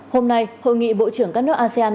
hôm nay hội nghị bộ trưởng các nước asean